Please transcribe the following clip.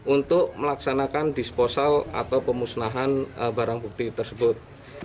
untuk melaksanakan disposal atau pemusnahan barang bukti tersebut